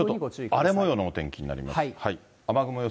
ちょっと荒れもようのお天気になります。